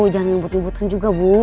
jangan ngebut ngebutin juga bu